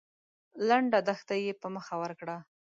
لنډه دښته يې په مخه ورکړه.